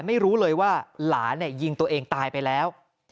ไม่รู้เลยว่าหลานยิงตัวเองตายไปแล้ว